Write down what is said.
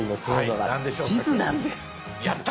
やった！